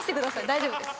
大丈夫です。